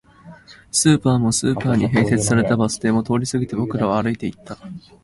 スーパーも、スーパーに併設されたバス停も通り過ぎて、僕らは歩いていった